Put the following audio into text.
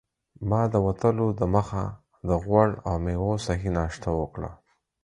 ما د وتلو دمخه د غوړ او میوو صحي ناشته وکړه.